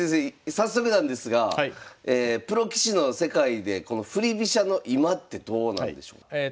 早速なんですがプロ棋士の世界でこの振り飛車の今ってどうなんでしょう？